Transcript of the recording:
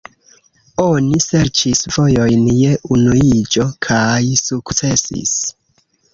Oni serĉis vojojn je unuiĝo kaj sukcesis.